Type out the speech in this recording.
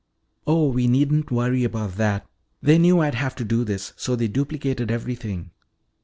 "Oh, we needn't worry about that. They knew I'd have to do this, so they duplicated everything.